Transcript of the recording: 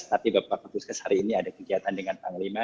tapi bapak kapuskes hari ini ada kegiatan dengan panglima